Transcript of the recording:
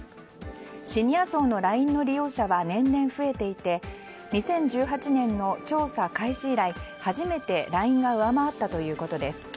シニア層のＬＩＮＥの利用者は年々、増えていて２０１８年の調査開始以来初めてＬＩＮＥが上回ったということです。